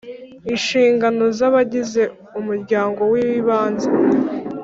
-inshingano z’abagize umuryango w’ibanze;